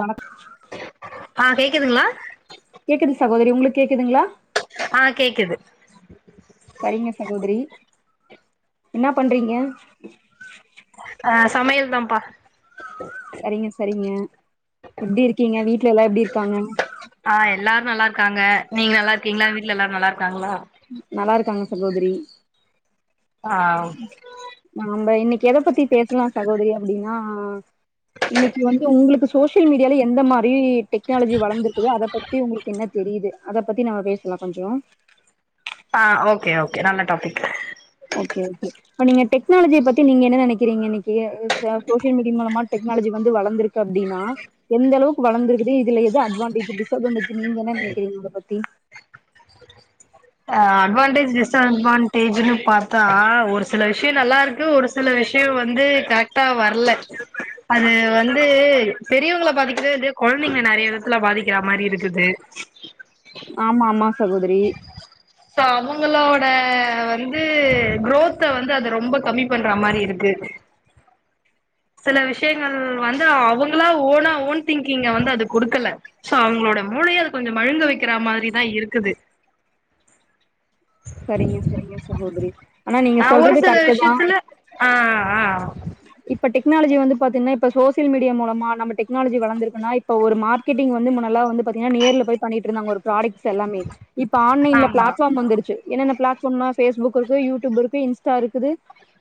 வணக் ஆ கேக்குதுங்களா கேக்குது சகோதரி உங்களுக் கேக்குதுங்களா ஆ கேக்குது சரிங்க சகோதரி என்ன பண்றீங்க ஆ சமையல் தாம்ப்பா சரிங்க சரிங்க எப்டி இருக்கீங்க வீட் வீட்ல எல்லா எப்டி இருக்காங்க நல்லாருக்காங்க நீங்க நல்லாருக்கீங்களா வீட்ல எல்லாரு நல்லாருக் நல்லாருக்காங்க சகோதரி ஆ நாம்ப இன்னிக்கு எத பத்தி பேசலா சகோதரி அப்டின்னா ஆ இன்னிக்கு வந்து உங்களுக்கு சோசியல் மீடியாலா எந்த மாரி டெக்னாலஜி வளர்ந்துருக்குது அத பத்தி உங்களுக்கு என்ன தெரியுது அத பத்தி நம்ம பேசலா கொஞ்சோ ஆ ஓகே ஓகே நல்ல டாப்பிக் ஓகே ஓகே இப்ப நீங்க டெக்னாலஜிய பத்தி நீங்க என்ன நெனைக்கிறீங்க இன்னிக்கி ஆ ச சோசியல் மீடி மூலமா டெக்னாலஜி வந்து வளந்துருக்கு அப்டின்னா எந்தளவுக்கு வளந்துருக்குது இதுல எது அட்வான்டேஜு டிஸ்அட்வான்டேஜு நீங்க என்ன நெனைக்கிறீங்க இத பத்தி ஆ அட்வான்டேஜ் டிஸ்அட்வான்டேஜுனு பாத்தா ஒரு சில விஷய நல்லா இருக்கு ஒரு சில விஷய வந்து கரெக்டா வர்ல அது வந்து பெரியவங்கள பாதிக்கிதோ இல்லையோ கொழந்தைங்கள நெறைய விதத்துல பாதிக்கிற மாரி இருக்குது ஆமா ஆமா சகோதரி சோ அவுங்களோட வந்து குரோத்த வந்து அது ரொம்ப கம்மி பண்ற மாரி இருக்கு சில விஷயங்கள் வந்து அவங்களா ஓனா ஓன் திங்கிங்க வந்து அது குடுக்கல சோ அவுங்களோட மூளைய அது கொஞ்ச மழுங்க வெக்கிற மாரிதா இருக்குது சரிங்க சரிங்க சகோதரி ஆனா நீங்க ஆ ஒரு சொல்றது சில கரெக்ட்டு தா விஷயத்துல ஆ ஆ இப்ப டெக்னாலஜி வந்து பாத்தீங்னா இப்ப சோசியல் மீடியா மூலமா நம்ம டெக்னாலஜி வளந்துருக்குனா இப்போ ஒரு மார்க்கெட்டிங் வந்து முன்னெல்லா வந்து பாத்திங்கனா நேர்ல போய் பண்ணிட்டுருந்தாங்க ஒரு ப்ராடக்ட் சு எல்லாமே இப்ப ஆன்லைன்ல ஆமா பிளாட்ஃபார்ம் வந்துருச்சு என்ன பிளாட்ஃபாம்னா பேஸ்புக் இருக்கு யூ டியூப் இருக்கு இன்ஸ்டா இருக்குது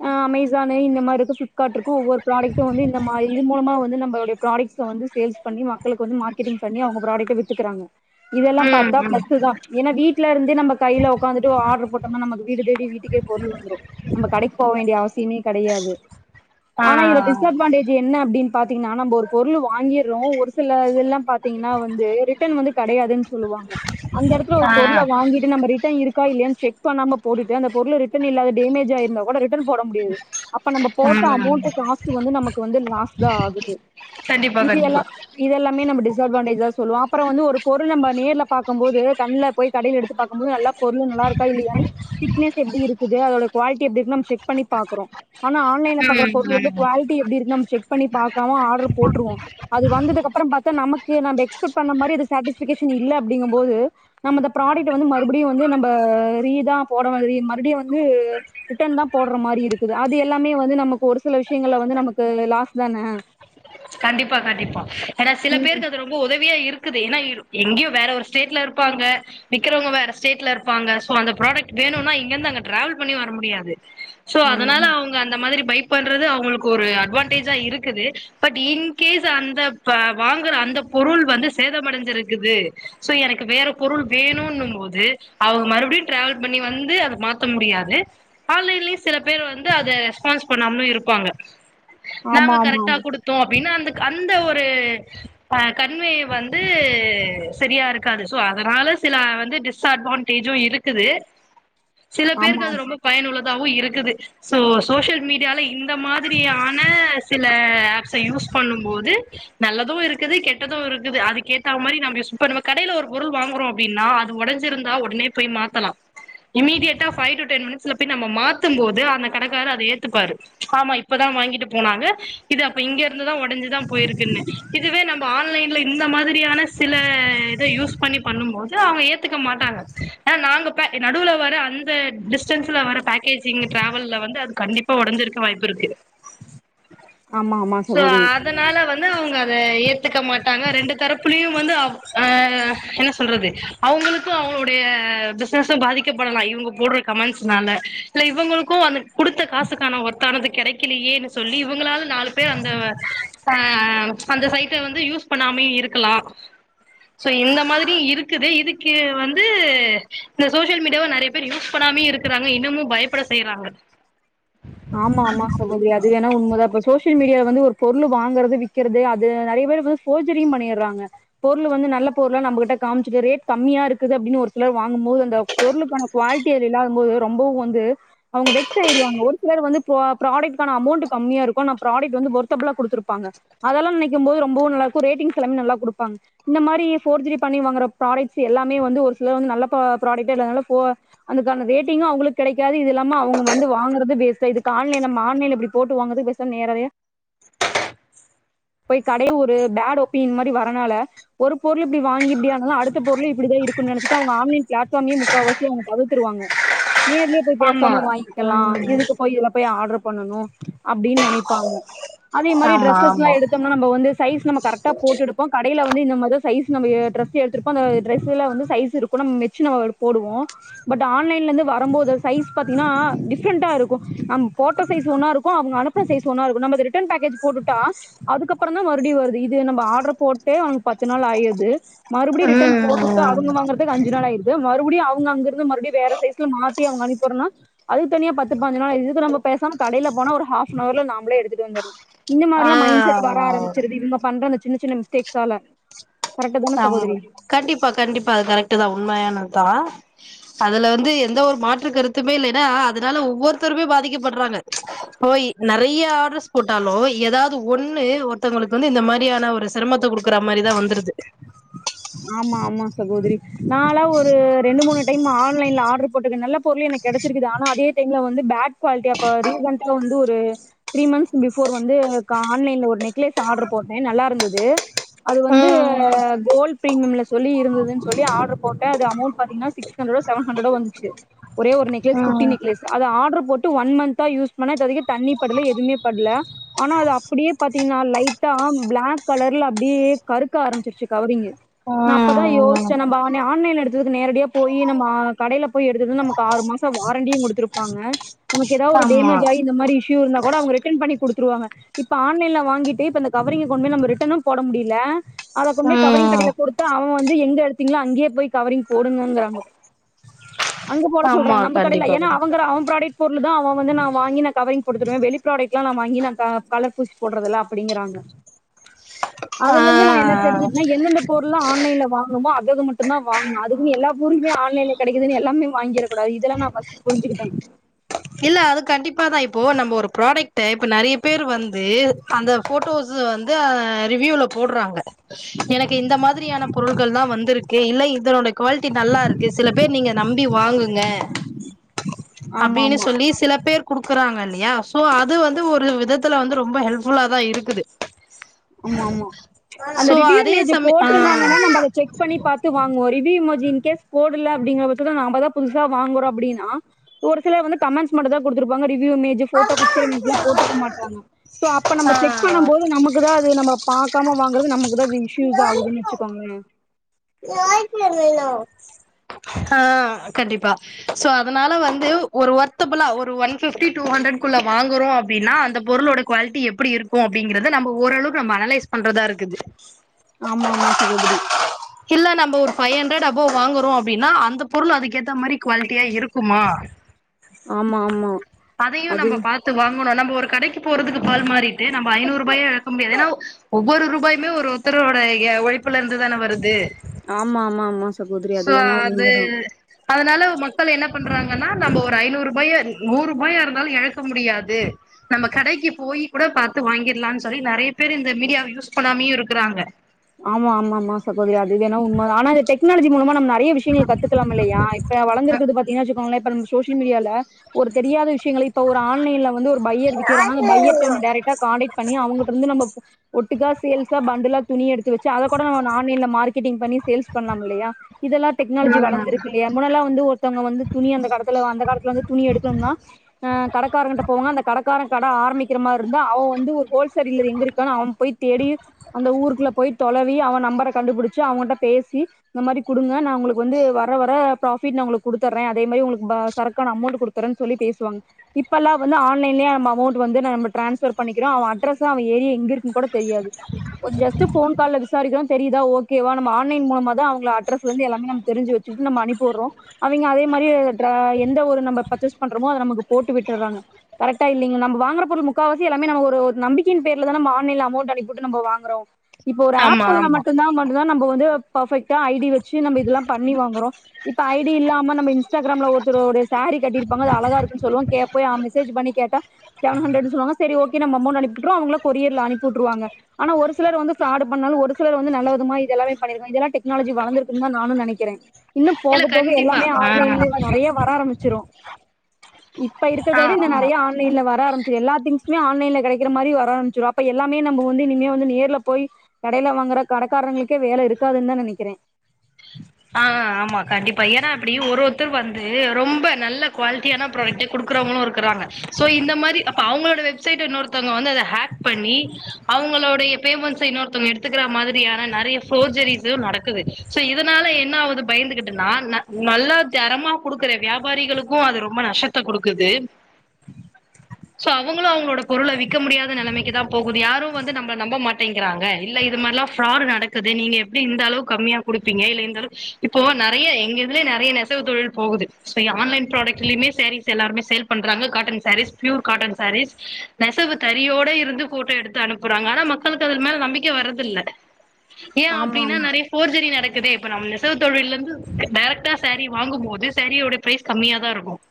அ-அமேசான்னு இந்ந மாரிக்கு ஃபிலிப் காட்றுக்கு ஒவ்வொரு ப்ராடைக்டும் வந்து இந்த மாரி இது மூலமா வந்து நம்ப இந்த புராடக்ட்ஸ்ஸ வந்து சேல்ஸ் பண்ணி மக்களுக்கு வந்து மார்க்கெட்டிங் பண்ணி அவுங்க ப்ராடக்ட்ட வித் துக்குறாங்க இதெல்லா ம் பாத்தா ம் பிளஸ்சுதா ஏனா வீட்டுல இருந்தே நம்ப கையில இதுவு ஆடர் போட்டமா நமக்கு வீடு தேடி வீட்டுக்கே பொருள் வந்துறு நம்ப கடைக்கு போ வேண்டிய அவசியமே கெடையாது ஆ ஆனா இதுல டிஸ்அட்வான்டேஜ் என்ன அப் ப்படின் பாத்தீங்ன்னா நம்ப ஒரு பொருள் வாங்கியறோ ஒரு சில இது எல்லா பாத்தீங்கன்னா வந்து ரிட்டர்ன் வந்து கெடையாதுன்னு சொல்லுவாங்க அந்த எடத்துல ஒரு ஆ பொருள வாங்கிட்டு நம்ப ரிட்டர்ன் இருக் க்கா இல்லையானு செக் பண்ணாம போடுட்டு அந்த பொருள ரிட்டன் இல்ல அத டேமேஜ் ஆ இருந்தா கூட ரிட் ட்டன் போட முடியாது அப்ப நம்ம போட்ட ம் அமௌண்ட் காஸ்டு வந்து நமக்கு வந்து லாஸ்தா ஆகுது கண்டிப்பா இசி எல்லா கண்டிப்பா இது எல்லாமே நம்ம டிஸ் டிஸ்அட்வான்டேஜ்ஜா சொல்லுவ அப்பறம் வந்து ஒரு பொருள் நம்ப நேர்ல பாக்கம் போது கண்ல போய் கடைல எடுத்து பாக்கும்போது நல்லா பொருளு நல்லா இருக்கா இல்லையானு திக்னஸ் எப்டி இருக்குது அதோட குவால்ட்டி எப்டி இருக்குதுனு நம்ம செக் பண்ணி பாக்குறோ ஆனா ஆன்லைன்ல பாக்கற ம் பொருள் வந்து ம் குவாலிட்டி எப்பிடி இருக்குனு நம்ம செக் பண்ணி பாக்காம ஆர்டர் போட்டுருவோம் அது வந்ததுக்கப் ப்பறம் பாத்தா நமக்கு நம்ப எக்ஸ்பெக்ட் பண்ண மாரி இது சேட்டிபிகேஷன் இல்ல அப்படிங்கபோது நம்ப அந்த ப்ராடைக்ட்ட வந்து மறுபடியு வந்து நம்ப ரீதா போடற மாறி மறுபடியு வந்து ரிட்டன்தா போட்ற மாரி இருக்குது அது எல்லாமே வந்து நமக்கு ஒரு சில விஷயங்கள்ல வந்து நமக்கு லாஸ் தான கண்டிப்பா கண்டிப்பா ஏனா சில பேருக்கு அது ரொம்ப உதவியா இருக் க்குது ஏனா இரு எங்கயோ வேற ஒரு ஸ்டேட்ல இருப்பாங்க விக்கறவங்க வேற ஸ்டேட்ல இருப்பாங்க சோ அந்த புராடைக்ட் வேணும்னா இங்கந்து அங்க டிராவல் பண்ணி வர முடியாது சோ ஆமா அதனால அவங்க அந்த மாதிரி பை பண்றது அவங்களுக்கு ஒரு அட்வான்டேஜ்ஜா இருக்குது பட் இன்கேஸ் அந்த ப்ப வாங்குற அந்த பொருள் வந்து சேதமடைஞ்சிருக்குது சோ எனக்கு வேற பொருள் வேணுன்னும் போது அவங்க மறுபடியு டிராவல் பண்ணி வந்து அத மாத்த முடியாது ஆன்லைன்லயு சில பேர் வந்து அத ரெஸ்பான்ஸ் பண்ணாமலு இருப்பாங்க ஆமா நாங்க ஆமா கரெக்டா குடு அப்டின்னா அந்த க அந்த ஒரு அஹ் கண்வே வந்து சரியா இருக்காது சோ அதனால சில வந்து டிஸ்அட்வான்டேஜும் இருக்குது சில ஆமா பேருக்கு அது ரொம்ப பயனுள்ளத தாவு இருக்குது சோ சோசியல் மீடியாவ்ல இல் இந்த மாதிரியான சில ஆப்ஸ் யூஸ் பண்ணும் போது து நல்லது இருக்குது கெட்டது இருக்குது அதுக்கேத்தா மாரி நம்ப யூஸ் ப்ப கடைல ஒரு பொருள் வாங்கறோம் அப்படின்னா அது ஒடைஞ்சிருந்தா உடனே போய் மாத்தலா இமிடியட்டா ஃபைவ் டூ டென் மினிட்ஸ் ல போய் நம்ப மாத்தும்போது அந்த கடைகாரு அத ஏத்துப்பாரு ஆமா இப்பதா வாங்கிட்டு போனாங்க இத இப்ப இங்க இங்கதா ஒடைஞ்சுதா போயிருக்குன்னு இதுவே நம்ம ஆன் ஆன்லைன்ல இந்த மாதிரியான சில இத யூஸ் பண்ணி பண்ணும் போது அவுங்க ஏத்துக்க மாட்டாங்க ஏனா நாங்க ப்ப நடுவுல வர அந்த டிஸ்டன்ஸ்ல வர பேக்கேஜிங் டிராவல்ல வந்து அது கண்டிப்பா ஒடஞ்சிருக்க வாய்ப்பு இருக்கு ஆமா ஆமா சோ சகோதரி அதனால வந்து அவங்க அத ஏத்துக்க மாட்டாங்க ரெண்டு தரப்புலையு வந்து அவு அ என்ன சொல்றது அவங்களுக்கு அவங்களுடைய பிசினஸும் பாதிக்கப்படலாம் இவங்க போடுற கமெண்ட்ஸ்னால இல்ல இவங்களுக்கும் அந்த குடுத்த காசுக்கான ஒர்த்தானது கெடைக்கலையேன்னு சொல்லி இவங்களால நாலு பேர் அந்த அஹ் அந்த சைட்டை வந்து யூஸ் பண்ணாமயே இருக்கலா சோ இந்த மாதிரி இருக்குது இதுக்கு வந்து இந்த சோசியல் மீடியாவ நறைய பேர் யூஸ் பண்ணாமே இருக்கறாங்க இன்னமு பயப்பட செய்யறாங்க ஆமா ஆமா சகோதரி அது உண்மதா இப்ப சோசியல் மீடியால வந்து ஒரு பொருள் வாங்கிறது விக்கறது அது நெறைய பேரு வந்து ஃபோர்ஜெரியு பண்ணிடுறாங்க பொருளு வந்து நல்ல பொருளா நம்புகிட்ட காமிச்சுட்டு ரட் கம்மியா இருக்குது அப்படின்னு ஒரு சிலர் வாங்கும்போது அந்த பொருளுக்கான குவாலிட்டி அதுல இல்லாதம் போது ரொம்பவு வந்து அவங்க வெக்ஸ் ஆய்டுவாங்க சிலர் வந்து ப் பராடக்டுக்கான அமௌண்ட் கம்மியா இருக்கு ஆனா ப்ராடக்ட் வந்து வொர்த்தபுல்லா குடுத்துருப்பாங்க அதெல்லா நினைக்கும் போது ரொம்ப நல்லாருக்கு ரேட்டிங்ஸ் எல்லாமே நல்லா குடுப்பாங்க இந்த மாரி ஃபோர் ஜெரி பண்ணி வாங்கற ப்ராடக்ட்ஸ் எல்லாமே வந்து ஒரு சிலர் வந்து நல்ல ப் ப்ராடக்ட்டா இல்லாதனால அ அதுக்கான ரேட்டிங்கு அவுங்களுக்கு கெடைக்காது இது இல்லாம அவுங்க வந்து வாங்குறது வேஸ்ட் இப்ப இதுக்கு ஆன்லைன் நம்ம ஆன்லைன் ல இப்படி போட்டு வாங்கறதுக்கு பேசாம நேரடியா போய் கடையு ஒரு பேட் ஒப்பீனியன் மாரி வரனால ஒரு பொருள் இப்படி வாங்கி இப்படியானா அடுத்த பொருளு இப்படிதா இருக்குன் நெனைச்சுட்டு அவங்க ஆன்லைன் பிளாட்ஃபாமயே முக்காவாசி அவுங்க தவுத்துருவாங்க நேர்லயே போய் ஆமா பேசாம வாங்கிக்கலா இதுக்கு ல்ல போய் ஆர்டர் பண்ணணு அப்படின்னு நினைப்பாங்க அதே மாதிரி டரெஸ்சஸ் எல்லா எடுத்தோம்னா நம்ம வந்து சைஸ் நம்ம கரக்டா போட்டெடுப்போ வெளில வந்து இந்த மாரி தா சைஸ் நம்ப டிரஸ் எடுத்துருப்போ அந்த ட்ரெஸ்ல வந்து சைஸ் இருக்கு நம்ம [unintelligible] ஒரு போடுவோ பட் ஆன்லைன்ல இருந்து வரம்போது சைஸ் பாத்தீங்கன்னா டிஃப்ரண்டா இருக் கு நம்ம போட்ட சைஸ் ஒன்னா இருக்கு அவங்க அனுப்புன சைஸ் ஒன்னா இருக்கு நம்ம அத ரிட்டன் பேக்கேஜ் போட்டுட்டா அதுக்கப்புறந் தா மறுபடியு வருது இது நம்ம ஆர்டர் போட்டே பத்து நாள் ஆயிருது மறுபடியு ரிட்டன் போட்டுட்டு ம் அவங்க வாங்கறதுக்கு அஞ்சு நாள் ஆயிருது மறுபடியு அவங்க அங்கிருந்து மறுபடியு வேற சைஸ்ல மாத்தி அங்க அனுப்பியுடறதுனா அதுக்கு தனியா பத்து பாஞ்சு நாள் ஆயிறுது இதுக்கு நம்ம பேசாம கடைல போனா ஒரு ஹாஃப் அன் அவர்ல நாமளே எடுத்துட்டு வந்தர்லா இந்த மாதிரிலா மைண்ட் செட் வர ஆ ஆரம் சுருது இவங்க பண்ற அந்த சின்ன சின்ன மிஸ்டேக்ஸால கரெக்ட்டு தான ஆமா சகோதரி கண்டிப்பா கண்டிப்பா அது கரெக்டு தா உண்மையானதுதா அதுல வந்து எந்த ஒரு மாற்று கருத்துமே இல்லைன்னா அதனால ஒவ்வொருத்தருமே பாதிக்கப்படுறாங்க இப்ப நெறையா ஆர்டர்ஸ் போட்டாலு ஏதாவது ஒண்ணு ஒருத்தவங்களுக்கு வந்து இந்த மாரியான ஒரு சிரமத்தை குடுக்குற மாதிரிதா வந்துருது ஆமா ஆமா சகோதரி நாலா ஒரு ரெண்டு மூணு டைம் ஆன்லைன்ல ஆடரு போட்டிருக்கே நல்ல பொருளு எனக்கு கெடைச்சிருக்குது ஆனா அதே டைம்ல வந்து பேட் குவாலிட்டி ஆ ப ரீசண்டா வந்து ஒரு த்ரீ மன்த்ஸ் பிஃபோர் வந்து எங்குளுக்கு ஆன்லைன்ல ஒரு நெக்லஸ் ஆடர் போட்டே நல்லா இருந்தது அது வந்து ம் கோல்டு பின்ங்னம்னு சொல்லி இருந்துதுன்னு சொல்லி ஆர்டர் போட்டே அது அமௌன்ட் பாத்தீங்கன்னா சிக்ஸ் ஹன்ட்ரடோ செவன் ஹன்ட்ரடோ வந்துச்சு ஒரே ஒரு நெக்லஸ் குட்டி ம் நெக்லஸ் அது ஆர்டர் போட்டு ஒன் மந்த் தா யூஸ் பண்ணே இதுவரைக்கு தண்ணி படுல எதுவுமே படுல ஆனா அது அப்படியே பாத்தீங்கன்னா லைட்டா பிளாக் கலர்ல அப்டியே கருப் க ஆரம்பச்சிருச்சு கவரிங்க நா அப்பதா ம் யோசிச்சே நம்ம ஆன்லைன் எடுத்ததுக்கு நேரடியா போயி நம்ம ஆ கடையில போய் எடுத்தது நமக்கு ஆறு மாச வாரண்டியும் குடுத்துருப்பாங்க நமக்கு ஏதாவ ஒரு ஆமா டேமேஜ் ஆயி இந்த மாரி இஷ்யு இருந்தா கோட அவுங்க ரிட்டர்ன் பண்ணி குடுத்துருவாங்க இப்ப ஆன்லைன்ல வாங்கிட்டு இப்ப இந்த கவரிங்க கொண்டு போய் நம்ம ரிட்டர்னும் போட முடில அதை கொண்டு போய் கவரிங் ம் கடையில குடுத்து அவ வந்து எங்க எடுத்தீங்களோ அங்கேயே போய் கவரிங் போடுங்கங்கறாங்க அங்க போட ஆமா சொல்றாங்க நம்ப கடையில கண்டிப்பா ஏன்னா கண்டிப்பா அவங்க அவங்க பிராடக்ட் போ தா அவன் வந்து நா வாங்கி நா கவரிங் போட்டுத் தருவே வெளி ப்ராடக்ட்லா நா வாங்கி நா க கலர் பூசி போடுறதல்ல அப்படிங்கறாங்க ஆ அதுல இருந்து நா ஆ என்ன ஆ தெரிஞ்சுட்டனா எந்தந்த பொருள் லா ஆன் லைன்ல வாங்கனுமோ அதது மட்டுந்தா வாங்கணு அதுக்குன்னு எல்லா பொருளும் போய் ஆன்லைன்ல கெடைக்குதுன்னு எல்லாமே வாங்கிறக்கூடாது இதல்ல நா ஃபர்ஸ்ட் புரிஞ்சுக்கிட்டே இல்ல அது கண்டிப்பா தா இப்போ நம்ம ஒரு ப்ராடக்ட இப்ப நறைய பேர் வந்து அந்த ஃபோட்டோஸ் வந்து ரிவியூல போடுறாங்க எனக்கு இந்த மாதிரியான பொருள்கள்ல்லா வந்திருக்கு இல்லை [unintelligible] குவாலிட்டி நல்லா இருக்கு சில பேர் நீங்க நம்பி வாங்குங்க ஆமா அப்புடினு ஆமா சொல்லி சில பேர் கொடுக்குறாங்க ல்லாயா சோ அது வந்து ஒரு விதத்துல வந்து ரொம்ப ஹெல்ப் ஃபுல்லா தான் இருக்குது ஆமா ஆமா சோ அந்தரிவூ அதே இமேஜ் சமய போட்டிருந்தாங்கன்னா நம்ம அதை செக் பண்ணி பாத்து வாங்குவோம் ரிவ்யூ இமோஜ் இன்கேஸ் போடால அப்டிங்கற பச்சத்துள நாமதான் புதுசா வாங்கறோம் அப்டினா ஒரு சில வந்து கமென்ட்ஸ் மட்டும் தான் கொடுத்துருப்பாங்க ரிவ்யூ இமேஜ் போட்டோ பிக்சர்ல்லாம் போட்டுருக்க மாட்டாங்கோ அப்ப நம்ம செக் ஆ பண்ணும் போோது நமக்கு நம்ம பாக்காம வாங்குறது நமக்கு தான் அது ஷூஸ் ஆகுதுன்னு வச்சுக்கோங்க ஆஹ் கண்டிப்பா சோ அதனால வந்து ஒரு ஒத்தபல்ல ஒரு ஒன் பிப்டி டூ ஹண்ட்ரடள்ள வாங்குறோம் அப்படின்னா அந்த பொருளோட குவாலிட்டி எப்படி இருக்கும். அப்படிங்கறத நம்ம ஓரளவுக்கு நம்ம அனலைஸ் பண்றதா இருக்கு. ஆமா ஆமாக் சகோதரி இல்ல நம்ம ஒரு ஃபைவ் ஹண்ட்ரட் அபவ் வாங்குறோ. அப்படின்னா அந்த பொருள் அதுக்க ஏத்த மாரி குவாலிட்டியா இருக்குமா ஆமா ஆமா அதையு அது நம்ம பாத்து வாங்கணு நம்ம ஒரு கடைக்கு போறதுக்கு பால் மாறிட்டு நம் ஐநூறு ரூபாயா இழக்க முடியாது. ஏனா ஒவ்வொரு ரூபாய்மே ஒரு ஒருத்தரோட ஒழைப்புல இருந்துதானே வருது. ஆமா ஆமா ஆமா சகோதரி சோ வேணா அது உண்மதா அதனால மக்கள் என்னப் பண்றாங்கன்னா நம்ம ஒரு ஐநூறு ரூபாய நூறு ரூபாயா இருந்தாலும் இழக்க முடியாது. நம்ம கடைக்கு போய் கூட பார்த்து வாங்கிடலாம்னு சொல்லி நிறைய பேர் இந்த மீடியாவ யூஸ் பண்ணாமே இருக்கிறாங்க. ஆமா ஆமா ஆமா மா சகோதரி அது வேணா உண்ம தா ஆனா டெக்னாலஜி மூலமா நம்ம நெ ரிய விஷயங்கள் கத்துக்கல இல்லையா. இப்ப வாழந்துகிறது பாத்தீங்கா இ சோஷியல் மீடியில ஒரு தெரியாத விஷயங்க இப்ப ஒரு ஆன்லைன்ல வந்து ஒரு பையர் வக்கிறனந்த அந்த பையர்ட டைரெக்டா கான்ண்டக்ட் பண்ணி அவாங்ககிட்ட இருந்து நம் ஒட்டுக்கா சேல்சா பண்டலா துணி எடுத்து த்தி வச்சு அத கூட ஆன்லைன்ல மார் கெட்டிங் பண்ணி சேல்ஸ் பண்ணலாம் இல்லையா. இதெல்லாம் டெக்னாலஜி ம் வளர்ந்ருக்கு இல்லயா முன்னல்லாம் வந்து ஒரு த்த வங்க வந்து துணி அந்த கடத்துல அந்த கடத்துல வந்து துணி எடுக்கணும் ஹ் கடக்காட்ட போவங்க அந்த கடக்கார கட ஆரம்பிக்கிற மாதிரி இருந்த அவ வந்து ஒரு ஹோல்ச எங்க இருக்கனு அவன் போய் தேடி அந்த ஊருக்குள்ள போயி தொலவி அவ நம்பர கண்டுபுடிச்சு அவங்கிட்ட பேசி இந்த மாரி குடுங்க நா உங்களுக்கு வந்து வர வர ப்ரபிட் நா உங்களுக்கு குடுதர்றே. அதே மாரி உங்களுக்கு ப சரக்கான அமௌண்ட் குடுத்தர்றே சொல்லி பேசுவாங்க இப்பல்லா வந்து ஆன்லைன்ல நம்ம அமௌன்ட் வந்து நம்ம டிரான்ஸ்பர் பண்ணிக்கிறோ அவ அட்ரஸு அவ ஏரியா எங்கிருக்குன் கூட தெரியாது ஒரு ஜஸ்ட் ஃபோன் சால்ல விசாரிக்கிறோ தெரியுதா ஓகேவா நம்ம ஆன்லைன் மூலமாதா அவங்க அரஸ்ல இருந்து எல்லாமே நம்ம தெரிஞச்சுட்டு நம்ம அனுப்பிடுறோம் அவங்க அதே மாதிரி எந்த ஒரு நம்ம பர்ச்சேஸ் பண்றோமோ அத நமக்கு போட்டு விட்டுடுறாங்க கரெக்டா இல்லங்க நம வாங்கற பொருது முக்காசி எல்லாமே நம ஒரு நம்பிக்கைய பேர்லதான் நம் ஆன்லைன்ல அமௌண்ட் அனுப்பிட்டு நம்ம வாங்குறோம் இப்ப ஒரு ஆமா ஆப்ப ஆமா மட்டுதா மட்டும்தா நம்ம து பர்ஃபெக்டா ஐடி வ வச்சி நம இதெல்லாம் பண்ணி வாங்கோறோம். இப்ப ஐடி இல்லாம நம இன்ஸ்டாகிரம்ல ஒருத்தரோடய சேரி கட்டி இருப்பாங்க அழகா இருக்கு சொல்லுவோம் கேபோம். போய் மெசேஜ் பண்ணி கேட்ட செவன் அன்றட் சொல்வாங்க சரி ஓம் அமோன்ட் அனுபி விட்ருவோம். அவகளும் கொரிய அனுப்பிட்டுவங்க. ஆன ஒரு சிலர் வந்து ப்ராடு பண்ணாலு. ஒரு சிலர் வந்து நல்ல விதமா இதெல்லாமே பண்ணிருக்கோ இதெல்லா டெக்னாலஜி வளந்து இருக்குன்னு தா நானு நெனைக்கிறே இன்னும் இல்ல போக போக கண்டிப்பா எல்லாமே ஆ ஆன்லைன்லய நிறைய வர ஆரம்பிச்சிரும். இப்ப இருக்கறத ஆ விட இன்னு ஆமா நெறைய ஆன்லைன்ல வ ர ஆரம்பிச்ச எல்லா திங்சுமே ஆன்லைல கடைகிற மாதிரி வர ஆரம்பிச்சிடும் எல்லாமே நம வந்துனிமே வந் நெருல போய் கடையில வாங்கற கடைக்காரங்களுக்கே வேல இருக்காதுன்னு தா நெனைக்கிறே ஆஹ் ஆமா கண்டிப்பா ஏன்னா அப்படியும் ஒரு ஒர் த்து வந்து ரொம்ப நல்ல குவாலிட்டியான ப்ராடக கொடுக்குறவங்களும் இருக்கிறாங்க. சோ இந்த மாரி அவங்களோட வெப்சைட இன்னொருத்த ங்க வந்து அத ஹேக் பண்ணி அவங்களுடைய பேமெண்ட்ஸ் இன்னொருத்தவங்க எடுத்துக்கிற மாதிரியான நெறைய போர்ஜரிஸு நடக்குது சோ இத அதனால என்ன ஆவுது பயந்துகிட்டுன்னா ந நல்லா தரமா குடுக்குற வியாபாரிகளுக்கு அது ரொம்ப நஷ்டத்த குடுக்குது. சோ அவங்களும் அவங்களோட பொருள விக்க முடியாத நிலைமைக்கு த தான் போகுது யாரும் வந்து நம்ம நம்ப மாட்டேங்கிறாங்க. இல்ல இது மாதிராம் ப்ராடு நடக்குது. நீங்க எப்படி இந்த அளவு கம்மியா குடு ப்பிங்க இருாலும் இப்போ நிறைய எங்க இதுலயே நிறைய நெசவு தொழில் போகுது ஆன்லைன் ப்ராடக்லியும் சாரீஸ் எல்லாருமே சேல் பண்றாங்க. Cotton saris pure cotton saris நெசவு தரியோட இருந்து கூட்டோ எடுத்து அனுப்புறாங்க ஆனா மக்களுக்கு அ மேல நம்பிக்கை வரதுல்ல்ல ஏன் ஆமா அப்படின்னா நிறைய ஃபோர்ஜரி நடக்கு தே இப்ப நம்ம நெசவு தொழில இருந்து டைரக்டா சாரீ வாங்கும்போது சாரீோட பிரைஸ் கம்மியா தான் இருக்கும்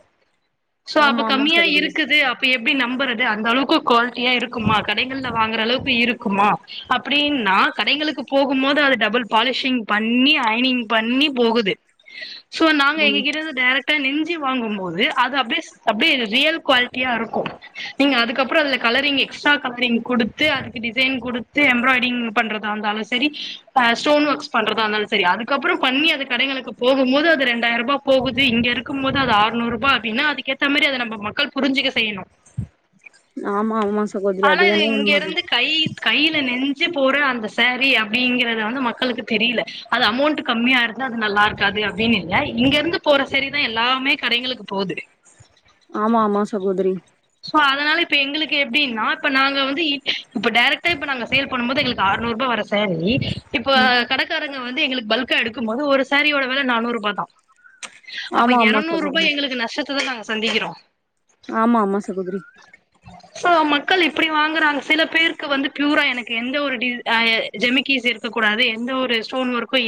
சோ ஆமா அப்ப ஆமா ஆமா கம்மியா சகோதரி இருக்குது அப்ப எ ப்டி நம்பறது அந்த அளவுக்கு குவாலிட்டியா இருக்குமா கடைகள்ல வாங்கற அளவுக்கு இருக்குமா அப்படின்ன கடைகளுக்கு போகும் போது அது டபுள் பாலிஷிங் பண்ணி ஐயனிங் பண்ணி போகுது சோ நாங்க ம் எங்ககிட்ட இருந்து டைரெக்டா நென்சு வாங்கும்பது அது அப்டி அப்டியே ரியல் குவாலிட்டியா இருக்கும் நீங்க அதுக்கப்புறம் அதுல கலரிங் எக்ஸ்ட்ரா கலரிங் கொடுத்து அதுக்கு டிசைன் கொடுத்து எம்ப்ராய்டரிங் பண்றத இருந்தாலும் சரி ஹ ஸ்டோன் ஒர்க்ஸ் பண்றதா இருந்தாலும் சரி அதுக்கப்புறம் பண்ணி அது கடைளுக்கு போகும் போது அது ரெண்டாயிரம் ரூபாய் போகுது இங்க இருக்கும் போது அது அறுநூறு ரூபா அப்படின்னா அதுக்கேத்த மாதிரி அதை நம்ம மக்கள் புரிஞ்சுிக்க செய்யணும் ஆமா ஆமா சகோதரி ஆனா அது இது வேணா இங்க உண்மதா இருந்து கை கையில நெஞ்சு போற அந்த சாரீ அப்படிங்கறத வந்து மக்களுக்கு தெரியல அது அமௌண்ட் கம்மியா இருந்தா அது நல்லா இருக்காது அப்படின்னு இல்ல இங்க இருந்து போற சேரிதான் எல்லாமே கடைங்களுக்கு போகுது ஆமா ஆமா சகோதரி சோ அதனால இப்ப எங்களுக்கு எப்படின்னா இப்ப நாங்க வந்து இப்ப டைரக்டா இப்ப நாங்க சேல் பண்ணும் போது எங்களுக்கு அறுநூறு ரூபா வர சேரி இப்ப ம் கடக்காரங்க வந்து எங்களுக்கு பல்கா எடுக்கும் போது ஒரு சாரியோட வில நானூறு ரூபா தான் அப்ப ஆமா ஆமா இரநூறு ரூபா சகோதரி எங்களுக்கு நஷ்ட த நாங்க சந்திக்கிறோம் ஆமா ஆமா சகோதரி சோ மக்கள் இப்படி வாங்குறாங்க சில பேருக்கு வந்து பியூரா எனக்கு எந்த ஒரு டி அ ஜெமிகிஸ் இருக்கக்க கூடாது எந்த ஒரு ஸ்டோன் ஒர்க்கும்